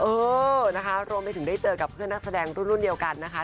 เออนะคะรวมไปถึงได้เจอกับเพื่อนนักแสดงรุ่นเดียวกันนะคะ